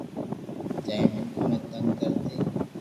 جائين مينکون ني تيگ ڪرتي